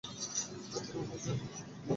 না, তুমি বোঝোনি, বেক।